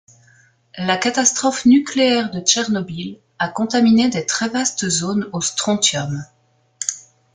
La catastrophe nucléaire de Tchernobyl a contaminé des très vastes zones au Sr.